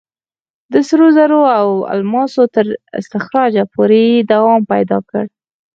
د سرو زرو او الماسو تر استخراجه پورې یې دوام پیدا کړ.